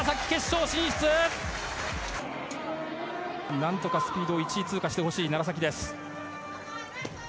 何とかスピードを１位通過してほしい楢崎です。